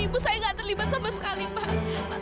ibu saya nggak terlibat sama sekali pak